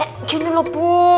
eh gini loh bu